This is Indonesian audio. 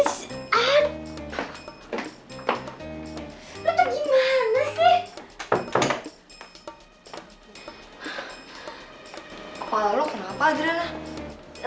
kepala lu kenapa adriana